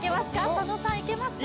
佐野さんいけますか？